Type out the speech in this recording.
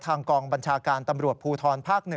กองบัญชาการตำรวจภูทรภาค๑